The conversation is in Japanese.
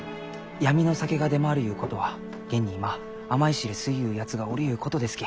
闇の酒が出回るゆうことは現に今甘い汁吸いゆうやつがおるゆうことですき。